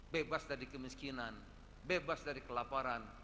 bebas dari kemiskinan bebas dari kelaparan